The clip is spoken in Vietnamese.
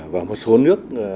và một số nước